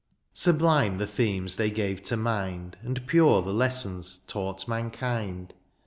Sublime the themes they gave to mind. And pure the lessons taught mankind.